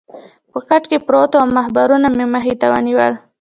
په کټ کې پروت وم او اخبارونه مې مخې ته ونیول.